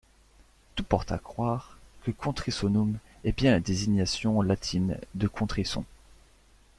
Tout porte à croire que Contrissonum est bien la désignation latine de Contrisson.